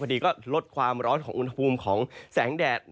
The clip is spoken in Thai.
ดีก็ลดความร้อนของอุณหภูมิของแสงแดด